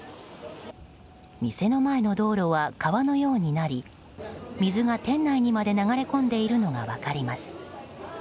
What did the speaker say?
店の前の道路は川のようになり水が店内にまで流れ込んでいるのが分かります。